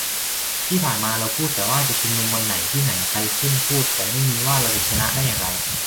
ที่ผ่านมาเราพูดแต่ว่าจะชุมนุมวันไหน ที่ไหน ใครขึ้นพูด แต่ไม่มีว่า เราจะชนะได้อย่างไร